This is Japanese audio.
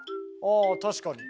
あ確かに。